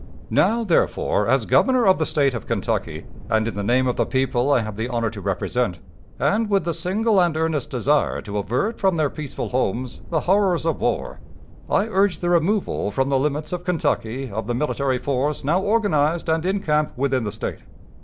"Now, therefore, as Governor of the State of Kentucky, and in the name of the people I have the honor to represent, and with the single and earnest desire to avert from their peaceful homes the horrors of war, I urge the removal from the limits of Kentucky of the military force now organized and in camp within the State.